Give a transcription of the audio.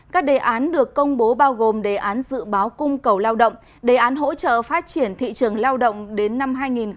các đề án được công bố bao gồm đề án dự báo cung cầu lao động đề án hỗ trợ phát triển thị trường lao động đến năm hai nghìn ba mươi